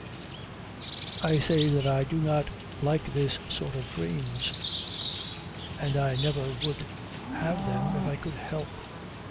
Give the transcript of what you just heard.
I say that I do not like this sort of dreams, and I never would have them if I could help.